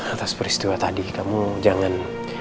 atas peristiwa tadi kamu jangan